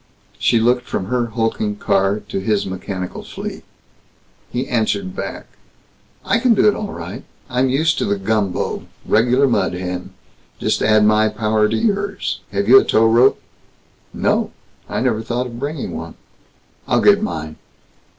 She looked from her hulking car to his mechanical flea. He answered the look: "I can do it all right. I'm used to the gumbo regular mud hen. Just add my power to yours. Have you a tow rope?" "No. I never thought of bringing one." "I'll get mine."